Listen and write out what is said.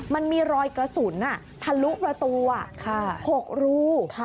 มันมีรอยกระสุนทะลุประตู๖รู